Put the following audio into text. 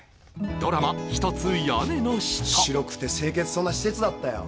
ドラマ「ひとつ屋根の下」白くて清潔そうな施設だったよ